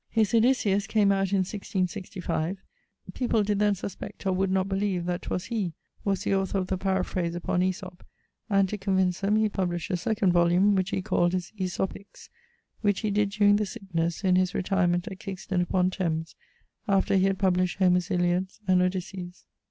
His Odysses came out in 1665. People did then suspect, or would not beleeve that 'twas he was the author of the paraphrase upon Æsop, and to convince them he published a 2ᵈ volume, which he calles his Æsopiques, which he did during the sicknesse, in his retirement at Kingston upon Thames, after he had published Homer's Iliads and Odysses.